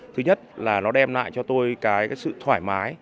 thứ nhất là nó đem lại cho tôi cái sự thoải mái